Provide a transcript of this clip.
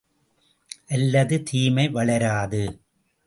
அல்லது தீமை வளராது.